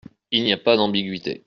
Il n’y a pas d’ambiguïtés.